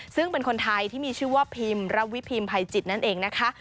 ซึ่งเป็นคนไทยที่มีชื่อว่าพิมระวิพิมภัยจิตนั่นเองนะคะ